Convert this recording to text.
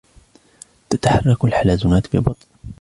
تتحرك الحلزونات ببطء.